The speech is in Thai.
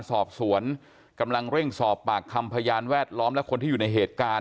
สอบสวนกำลังเร่งสอบปากคำพยานแวดล้อมและคนที่อยู่ในเหตุการณ์